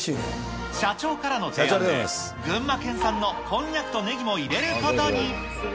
社長からの提案で、群馬県産のこんにゃくとねぎも入れることに。